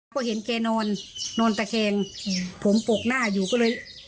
ก็เห็นแกโนนทแข้งผมโปรกหน้าอยู่ก็เลย